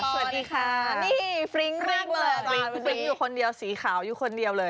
สวัสดีค่ะนี่ฟริงค์หล่างรอยฟริงค์อยู่คนเดียวสีขาวยู่คนเดียวเลย